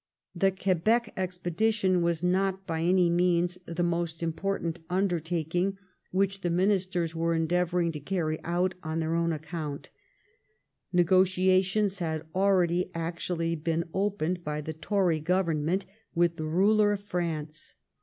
The Quebec expedition was not by any means the most important undertaking which the Ministers were endeavouring to carry out on their own account. Negotiations had already actually been opened by the Tory Government with the ruler of Prance.